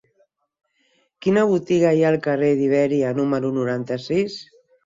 Quina botiga hi ha al carrer d'Ibèria número noranta-sis?